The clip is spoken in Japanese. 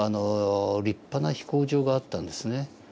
立派な飛行場があったんですね。